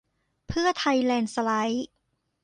เพื่อไทยแลนด์สไลด์